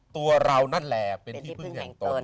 ตัวเรานั่นแหละเป็นที่พึ่งแห่งตน